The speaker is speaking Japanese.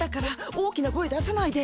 大きな声出さないで。